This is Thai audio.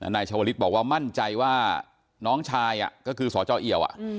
นายชวลิศบอกว่ามั่นใจว่าน้องชายอ่ะก็คือสอเจ้าเอี่ยวอ่ะ